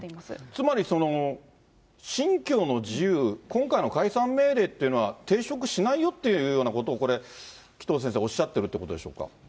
つまり、信教の自由、今回の解散命令っていうのは、抵触しないよっていうようなことを、これ、紀藤先生、おっしゃっているということでしょうか。